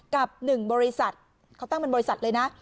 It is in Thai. กับ๑บริษัทเขาตั้งเป็นบริษัทเลยนะ